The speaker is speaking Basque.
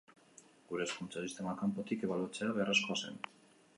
Gure hezkuntza sistema kanpotik ebaluatzea beharrezkoa zen.